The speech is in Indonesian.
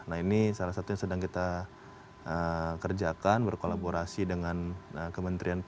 nah ini salah satu yang sedang kita kerjakan berkolaborasi dengan kementerian